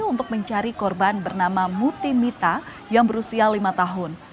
untuk mencari korban bernama mutimita yang berusia lima tahun